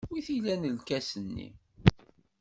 Wi t-ilan lkas-nni?